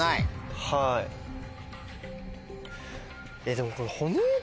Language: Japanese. でもこれ。